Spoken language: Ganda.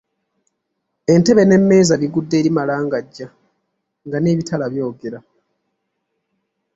Entebe n'emmeeza bigudde eri magalangajja, nga n'ebitala byogera.